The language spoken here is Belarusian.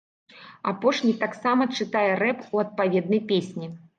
Апошні таксама чытае рэп у адпаведнай песні.